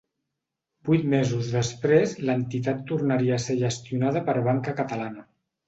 Vuit mesos després l'entitat tornaria a ser gestionada per Banca Catalana.